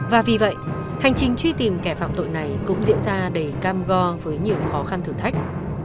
và vì vậy hành trình truy tìm kẻ phạm tội này cũng diễn ra đầy cam go với nhiều khó khăn thử thách